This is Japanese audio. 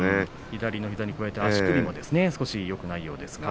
左の膝に加えて足首も少しよくないようですが。